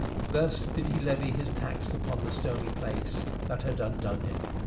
Thus did he levy his tax upon the stony place that had undone him.